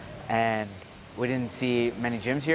dan kami tidak melihat banyak gym di bali